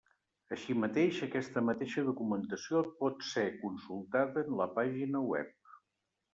Així mateix aquesta mateixa documentació pot ser consultada en la pàgina web.